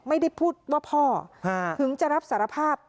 ไม่ได้พูดว่าพ่อถึงจะรับสารภาพ